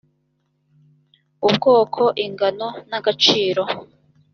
ubwoko ingano n agaciro